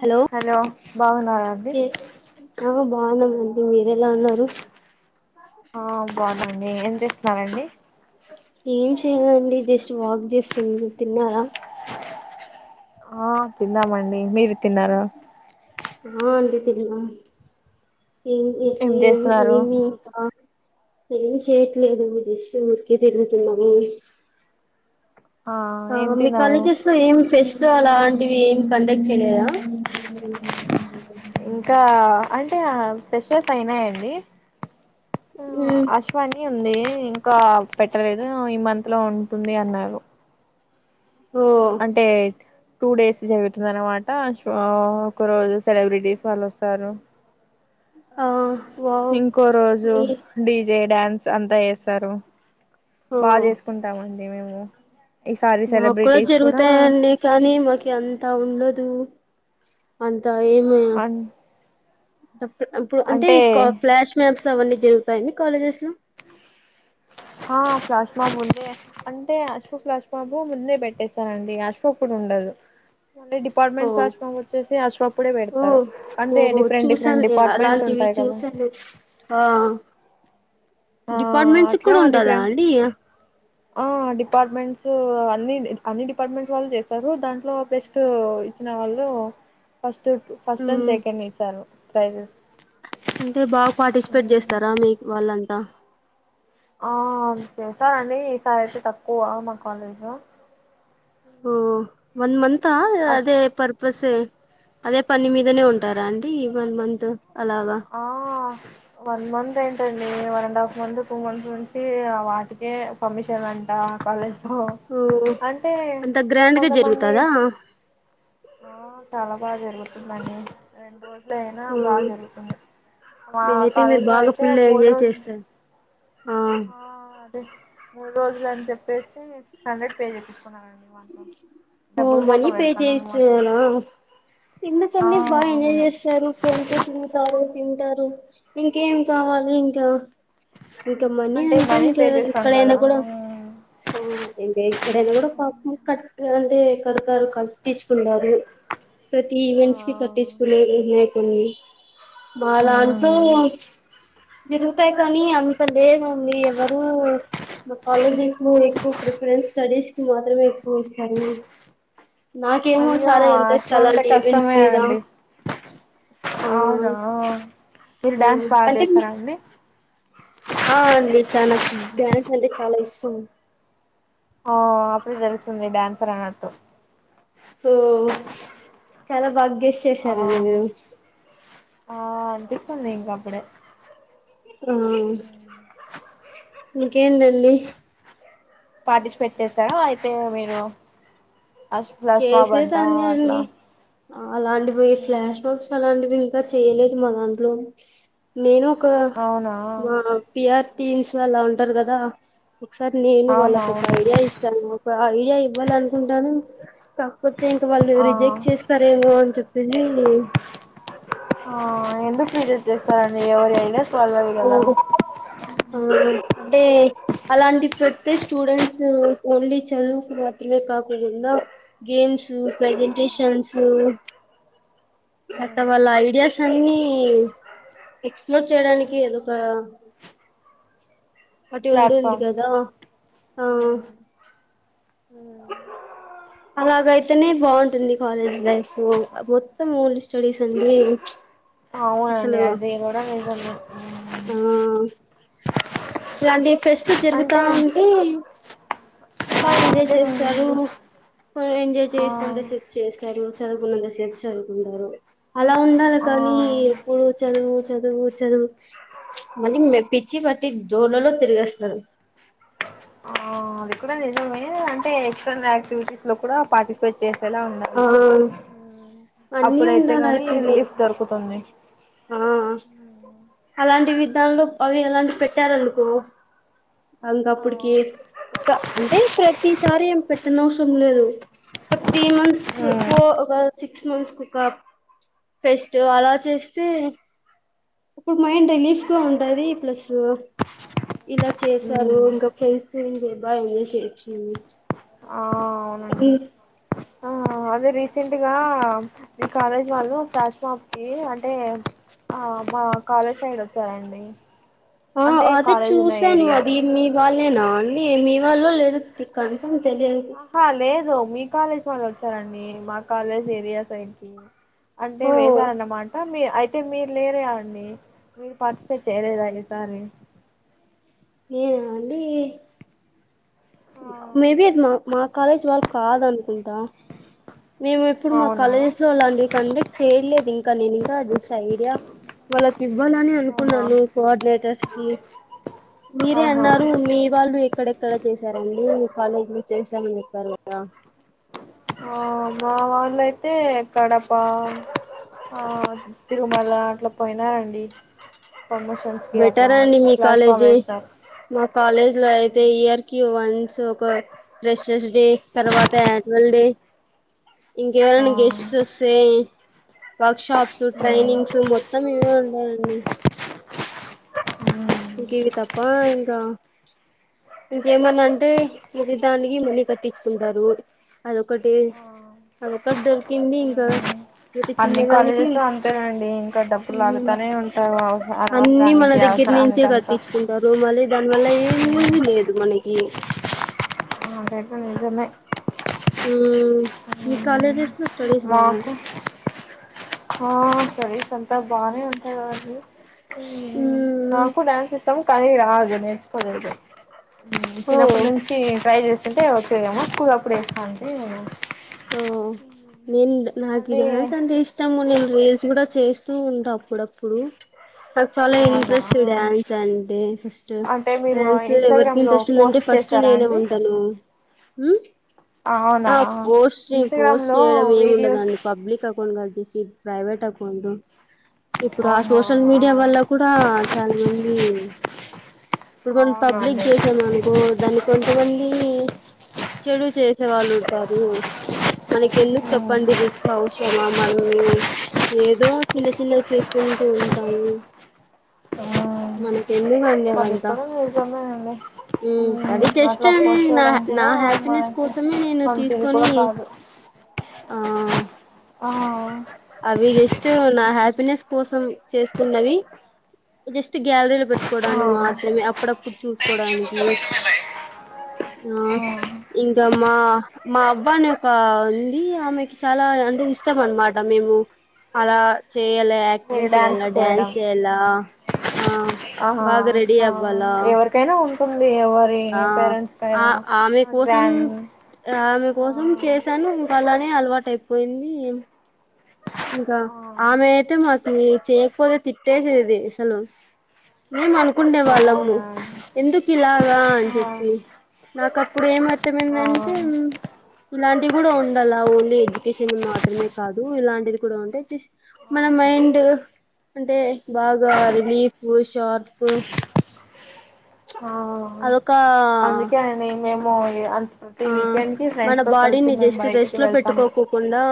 Hello బాగున్నారా అండి ఆ బాగున్నామండి మీరెలా అన్నారు ఆ బా డి ఏం చేస్తున్నారండి ఏం చేయాలండి జస్ట్ వాక్ చేస్తుంది తిన్నారా ఆ తిన్నామండి మీరు తిన్నారు ఆ అంటి తిన్నాం ఏ ఇ ఏం ఏ చేస్తున్నారు ఏమి ఏం చేయట్లేదు జస్ట్ ఊరికే తిరుగుతున్నాను ఆ ఏం మీ తిన్నారు కాలేజెస్ లో ఎం ఫెస్టివల్ ఆ వి ఏం కండక్ట్ చేయలేదా ఇంకా అంటే ప్రెషస్ అయినాయంండి మ్ ఉమ్ అశవాని ఉంది ఇంకా పెట్టలేదు ఈ మంత్ లో ఉంటుంది అన్నారు ఓ అంటే టూ డేస్ జరుగుతుంది అనమాట ఆ ఒక రోజు సెలబ్రిటీస్ వాళ్ళు వస్తారు ఆ వావ్ ఇంకో రోజు మీ డిజే డ్యాన్స్ అంతా ఏస్తారు బాగా చేసుకుంటామండి ఏమేమో మా కూడా జరుగుతాయిడి కానీ మాకి అంతా ఉండదు అంత ఏమీ అం ఇప్పుడు అంటే ఫ్లాష్ మ్యాప్స్ అవన్నీ జరుగుతాయిడి కాలేజెస్ లో ఆ ఫ్లాష్ మొబ్బు అంటే అశోక్ ఫ్లాష్ మొబ్బు ముందే పెట్టేస్తారండి అశోక్ కూడా ఉండదు మళ్ళీ ఓ డిపార్ట్మెంట్స్ ఫ్లాష్మోబ్ వచ్చేసి అశ్వప్పుడే ఓ పెడతారు అంటే ఓహో డిఫరెంట్ చూసాను డిఫరెంట్ నేను డిపార్ట్మెంట్స్ అలాంటివి ఉంటాయి కదా చూసాను ఆ ఆ డిపార్ట్మెంట్స్ కి అట్లా కూడా ఉంటదా డిఫరెంట్ అండి ఆ డిపార్ట్మెంట్స్ అన్ని అన్ని డిపార్ట్మెంట్స్ వాళ్ళు చేస్తారు దాంట్లో ఫస్ట్ ఇచ్చిన వాళ్ళు first first and um second ఇసారు ప్రైజెస్ అంటే బాగా పార్టిసిపేట్ చేస్తారా మీ వాళ్ళంతా ఆ చేసారండి ఈసారి అయితే తక్కువ మా కాలేజ్ లా ఓ వన్ మంత్ త్ ఆ అచ్ అదే పేర బసే అదే పని మీదనే ఉంటారా అండి ఈ వన్ మంత్ అలాగా ఆ వన్ మంత్ ఏంటండి one and half month two months నుంచి వాటికే పర్మిషన్ అంట కాలేజ్ ఓ అంటే అంత గ్రాండ్ గా కొంతమంది జరుగుతదా ఆ చాలా బాగా జరుగుతుందండి రెండు రోజు ఇట్లఅయినా బాగా జరుగుతుంది మా నే అయితే మీరు కాలేజ్లో బాగా అయితే ఫుల్ మూడు ఎంజాయ్ రోజులు చేస్తాారు ఆ అదే మూడు రోజులు అని చెప్పసి సిక్స్ హండ్రెడ్ పే చెపిస్తాను ఓ మనీ పే పెడతాను అనమాట చేయచ్చునా తిన్న ఆ సంది బా ఎంజాయ్ అవును చేస్తారు ఫ్రెండ్స్ తో తిరిగి తాగు తింటారు ఇంకేం కావాలి ఇంకా ఇంకా మనీ అంటే ఇంకా పే చేస్తాం ఇక్కడైనా కదా కూడా ఇక్కడైనా కూడా పాపం అంటే కడతారు కట్టించుకుంటారు ప్రతి ఆ ఈవెంట్స్ కి కట్టిచుకునే మ దాంట్లో జరుగుతాయి గాని అంత లేదండి ఎవరు మా కాలేజెస్ లో ఎక్కువ ప్రిఫరెన్స్ స్టడీస్ కి మాత్రమే ఎక్కువ ఇస్తారు నాకేమో అయ్యో చాలా ఇంట్రెస్ట్ అట్లా ఉంటే అలాంటి ఈవెంట్స్ కష్టమే మీద అండి ఆ అవునా మీరు ఆ డాన్స్ బాగా అంటే మీ చేస్తారా అండి ఆ అండి చానా డ్యాన్స్ అంటే చాలా ఇష్టం అవ్ అప్పుడే తెలుస్తుంది డాన్సర్ అన్నట్టు ఓ చాలా బాగా గె స్ ఆ చేసారండి మీరు ఆ విన్పిస్తుంది ఇంక అప్పుడే [unintelligible] ఇంకేందండి పార్టిసిపేట్ చేస్తారా అయితే మీరు అష్ ఫ్లాష్ మాబ్ అంట చేసేదాన్ని అట్లా అండి అలాంటివి ఫ్లాష్ మాబ్స్ అలాంటివి ఇంకా చేయలేదు మా దాంట్లో నేను క అవునా మా పి ఆర్ టీన్స్ అలా ఉంటారు కదా ఒకసారి నేను ఆహా వాళ్ళకు ఒక అవునండి ఐడియా ఇస్తాను ఒక ఐడియా ఇవ్వాలి అనుకుంటాను త పోతే ఇంక వాళ్ళు ఆ రిజెక్ట్ చేస్తారేమో అని చెప్పేసి దుకు రిజెక్ట్ చేస్తారండి ఎవరు అయినా ఓ ఓ టే అలాంటివి పెడితే స్టూడెంట్స్ ఓన్లీ చదువుకు మాత్రమే కాకోకుండ గేమ్స్ ప్రెజెంటేషన్స్ ఐతే వాళ్ళ ఐడియాస్ అన్నీ ఎక్స్ ప్లోర్ చేయడానికి ఏదో ఒక అటి ఉంటుంది ప్లాట్ఫామ్ కదా ఆ అలాగైతేనే బావుంటుంది కాలేజ్ లైఫ్ మొత్తం ఓన్లీ స్టడీస్ అంటే అండి అది కూడా కూడా నిజమే లాంటి ఫెస్ట్లు జరుగుతా అంటే ఉంటే ఆ బాగా ఎంజాయ్ అదే చేస్తారు కూడా ఎంజాయ్ ఆ చేసినంతసేపు చేస్తారు చదువుకున్నంతసేపు చదువుకుంటారు అలా ఉండాలి ఆ కానీ ఎప్పుడు చదువు చదువు చదువు మళ్ళీ మె పిచ్చి పట్టి డోర్లలో తిరిగేస్తారు ఆ అది కూడా నిజమే అంటే ఎక్స్టర్నల్ యాక్టివిటీస్ లో కూడా పార్టిసిపేట్ చేస్ ఎలా ఆ ఉండాలి అన్నీ అప్పుడైతే ఉండాలా గానీ ఇప్పుడు రిలీఫ్ దొరుకుతుంది ఆ అలాంటి విధాంలో అవి ఎలాంటి పెట్టారునుకో ఆ అంకప్పుటికి ఇక అంటే ప్రతిసారి ఏం పెట్టనవసరం లేదు ఒక త్రీ మంత్స్ ఉమ్ ఫో ఒక సిక్స్ మంత్స్ కొక ఫెస్ట్ అలా చేస్తే అప్పుడు మైండ్ రిలీఫ్ గా ఉంటది ప్లస్ ఇలా చేసారు ఉమ్ ఇంకా ఫ్రెండ్స్ తో ఉంటే బా ఎంజాయ్ చెయ్యొచ్చు ఆ అ అవునండి ఆ అదే రీ తింటిగా మీ కాలేజ్ వాళ్ళు ఫ్లాష్మోబ్ కి అంటే ఆ మా కాలేజ్ సైడ్ వచ్చారండి ఆ అంటే కాలేజ్ ఉన్న ఏరియా లేనా అండి మీ వాళ్ళో లేదో తిక్కన్ ఆహా లేదు మీ కాలేజ్ వాళ్ళు వచ్చారండి మా కాలేజ్ ఏరియా సైడ్కి అంటే ఓ వేషారన్నమాట మీ అయితే మీరు లేరే అండి మీరు [unintelligible] చేయలేద ఈసారి ఏనా అండి ఆ మేబి అది మా మా కాలేజ్ వాళ్లకు కాదనుకుంటా మేము ఎప్పుడు మా అవునా కాలేజెస్ లో అలాంటివి కండక్ట్ చేయట్లేదు ఇంకా నేను ఇంకా జస్ట్ ఐడియా వాళ్ళకి ఇవ్వాలని ఆహా అనుకున్నాను కోఆర్డినేటర్స్ కి మీరే ఆహా అన్నారు మీ వాళ్ళు ఎక్కడెక్కడ చేసి [inaudible] కాలేజ్ లో చేసామని చెప్పారు కదా ఆ మా వాళ్ళయితే కడప ఆ తిరుమల అట్లా పోయినారండి ప్రమోషన్స్ కి అట్లా బెటర్ అండి మీ ఫ్లాష్ బాబ్ కాలేజీ వేసినారు మా కాలేజ్ లో అయితే ఇయర్ కి వన్ సో ఒక ఫ్రెషర్స్ డే తర్వాత యాన్యువల్ డే ఆ ఇంకెవరన్నా గెస్ట్స్ వస్తే వ షాప్స్ ట్రైనింగ్స్ మొత్తం ఇవే ఉండాలం పోలీస్ ఇంకివి తప్ప ఇంకా ఇంకేమన్నా అంటే ప్రతిదానికి మనీ కట్టించుకుంటారు అదొకటి అదొకటి దొరికింది ఇంకా ప్రతి అన్ని చిన్నదానికి కాలేజెస్ అంతేనండి ఇంకా డబ్బులు మ్మ్ లాగుతానే ఉంటారు అవసర అనవసరానికి అవసరాను చే కట్టించుకుంటారు మళ్ళీ దాని వల్ల ఏం యూజ్ లేదు మనకి అదైతే నిజమే ఆ మీ కాలేజెస్ లో స్టడీస్ బాగును మాకు ఆ స్టడీసంతా బానే ఉంటా కదండి మ్మ్ నాకు డ్యాన్స్ ఇష్టము కానీ రాజనేర్చుకో [inaudible] మ్మ్ ఓ చిన్నప్పటి నుంచి ట్రై చేసి అంటే వచ్చేదేమో కుగా అప్పుడేస్తాంటి ఓ నేను నాకి డ్యాన్స్ అంటే ఇష్టము నేన్ మీల్స్ కూడా చేస్తూ ఉంటా అప్పుడప్పుడు నాకు చాలా అవునా ఇంట్రెస్ట్ డ్యాన్స్ అంటే ఫస్ట్ అంటే మీరు డ్యాన్స్ ఎవరికి ఇన్స్టాగ్రామ్ లో ఇంట్రెస్ట్ ఉందంటే పోస్ట్ ఫస్ట్ చేసారా నేనే అండి ఉంటాను హ్మ్ అవునా పోస్ట్ చే ఇన్స్టాగ్రామ్ పోస్ట్ లో చేయడం వీడియోస్ ఏమిముండదండి పబ్లిక్ అకౌంట్ కదు సి ప్రైవేట్ అకౌంట్ ఇప్పుడు ఆ ఓహో సోషల్ ఆ మీడియా వల్ల కూడా చాలా మంది ఇప్పుడు మనం పబ్లిక్ అవునండి చేసామ అనుకో దాన్ని కొంతమంది చెడు చేసి సవాళ్లు ఉంటాయి హ్మ్ మన కేందుకు చెప్పండి రిస్క్ అవసర మనము ఏదో చిన్న చిన్నవి చేసుకుంటూ ఉంటాము మనకి ఎందుకండి అది అవంతా కూడా నిజమేనండి హ్మ్ అది ఉమ్ జస్ట్ అట్లా పోస్ట్ నా చేయడం నా కూడా హ్యాపీనెస్ మనకి కోసమే నేను తీసు మంచిది కూడా కాదు ఆ ఆ అవి జస్ట్ నా హ్యాపీనెస్ కోసం చేసుకున్నవి జస్ట్ గ్యాలరీలో పెటు ఆ పెట్టుకోడానికి ఆ మాత్రమే అప్పుడప్పుడు చూసుకోడానికి ఆ ఇంకా మా మా అబ్బాని ఒక ఉంది ఆమెకి చాలా అంటే ఇష్టం అన్నమాట మేము అలా చే చేయాలా మీరు యాక్టింగ్ చేయలా డ్యాన్స్ చేయడం చేయలా ఆ ఆహా బాగా రెడి ఆ అవలా ఎవరికైనా ఉంటుంది ఎవరి ఆ పేరెంట్స్ ఆ కైనా ఆమె కోసం గ్రాండ్ ఆమె ఆ కోసం చేశాను ఇంకా అలానే అలవాటైప్ పోయింది ఇంకా ఆ ఆమె అయితే మ ని చేయకపోతే తిట్టే సేది అసలు మేము అను అనుకుండే వాళ్ళము అవునా ఎందుకు ఇలాగా అని ఆ చెప్పి నాకు అప్పుడు ఏం ఆ అర్థమైందంటే ఇలాంటి ఇది కూడా ఉండాల ఓన్లీ ఎడ్యుకేషన్ మాత్రమే కాదు ఇలాంటిది కూడా ఉంటే జస్ మన మైండ్ అంటే బాగా రిలీఫ్ ఓషార్పు ఆ అందుకె ఆయినా మేము [unintelligible] అంత్ ఆ మన బాడీని జస్ట్ రెస్ట్ బయటికి లో వెళ్తాము పెట్టుకోకోకుండా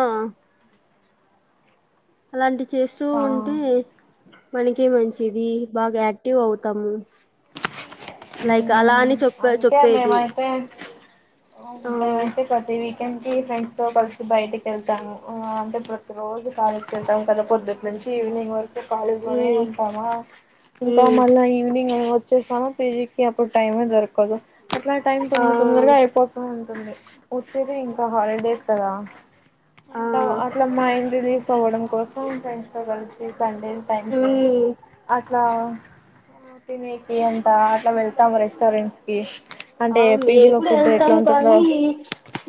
అలాంటి చేస్తూ ఆ ఉంటే మనకి కి మంచిది బాగా యాక్టివ్ అవుతాము ఉ లైక్ అలా అని చెప్ప అకే చెప్పేది మేమయితే ఆ మేమయితే కొత కి ఫ్రెండ్స్తో కలిసి బయటకి వెళ్తాము. అంటే ప్రతిరోజు కాలేజ్కి వెళ్తాము కదా పొద్దుటి నుంచి ఈవినింగ్ వర్క్. కాలేజీ ఈ లోనే ఉంటామా, ఈ ఇంకా మళ్ళా ఈవినింగ్ అ వచ్చేసామా పీజీ కి అప్పుడు టైమే దొరకదు. అట్లా టైమ్ ఆ తొంద తొందరగా అయిపోత వచ్చేది ఇంకా హాలిడేస్ కదా. ఆ అంట అట్లా మా ఇంటిది పోవడం కోసం ఉంటాంది. కలిసి సండే టైమ్స్ ఉమ్ అట్లా తినేకి అంత అట్లా వె తమ రెస్టారెంట్స్ కి అంటే ఆ మేము పీజీలో కూడా ఫుడ్ ఎట్లా వెళ్తాము. ఉంటుందో కానీ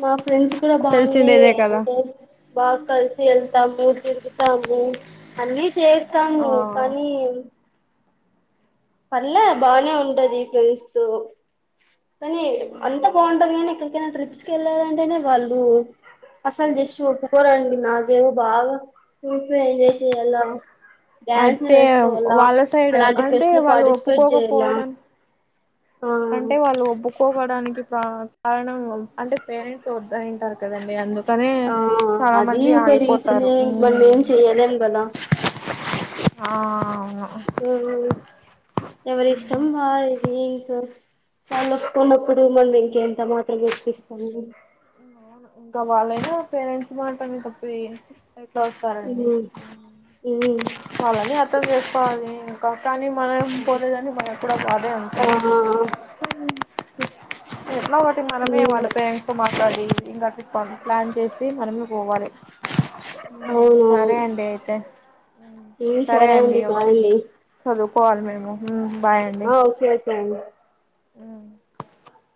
మా ఫ్రెండ్స్ కూడా బాగునే తెలిసిండేదే కదా బాగా కలిసి వెళ్తాము, తిరుగుతాము. అన్ని ఆ చేస్తాము కానీ పళ్లే బానే ఉంటది ఫ్రెండ్స్ తో అని ఉమ్ అంతా అవును పోవండది కానీ ఎ ట్రిప్స్ కి వెళ్ళదంటేనే వాళ్ళు అసలు జస్ట్ ఒప్పుకోరండి. నాదేవో బాగా టూర్స్ ఎంజాయ్ చేయ్యాల, డ్యాన్స్ అయితే నేర్చుకోవాలా వాళ్ళ సైడ్ అలాంటి అంటే ఫెస్ట్ వాళ్ళు పార్టిసిపేట్ చేయాల ఒప్పుకోకపోవడం అంటే వాళ్ళు ఒప్పు ఒక్కకోవడానికి ప్ర కారణం అంటే పేరెంట్స్ వద్దంటారు కదండి అందుకు ఆ అది ఒక రీజనే ఉమ్ మనమె చెయ్యలేం కదా. ఆ అవును ఉహుహు ఎవరి ఇష్టం వా [unintelligible] మనప్పుడు మన ఇంక ఎంత మాత్రం వప్పటిస్తా. సంగి అవును ఇంకా వాళ్ళైనా పేరెంట్స్ మాట్లాడి తప్పే ఎట్లా వస్తారండి ఉమ్ ఉమ్ వాళని అర్థం చేసుకోవాలి. ఇంకా కానీ మనం పోతే కానీ మనం ఎప్పుడ బాదే ఉండదు. ఆ ఎలా వాటి మనమే ఉమ్ వాళ్ళపే ఎక్కువ కర్రీ ఇంకా అది పన్ ప్లాన్ చేసి మనం పోవాలె అవునవును అయితే ఉమ్ ఏం చేరె అండి బాయ్ అండి పోవాలె మేము ఉమ్ బాయ్ అండి ఆ ఓకే ఒకె అండి ఉమ్